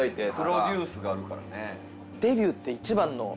プロデュースがあるからね。